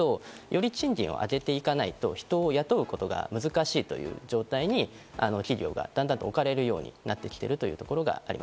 人が足りないというより、賃金を上げていかないと人を雇うことが難しいという状態に企業がだんだん置かれるようになってきているというところがあります。